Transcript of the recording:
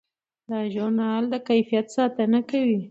دا ژورنال د کیفیت ساتنه کوي.